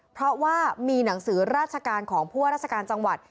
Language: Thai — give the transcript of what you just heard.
เพราะว่ามีหนังสือราชการของผู้ว่าราชการจังหวัด